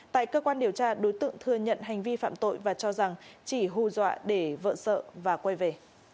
tại cơ quan điều tra đối tượng thừa nhận hành vi phạm tội và cho rằng chỉ hù dọa để vợ sợ và quay về